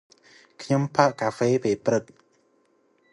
ខ្ញុំផឹកកាហ្វេពេលព្រឹក។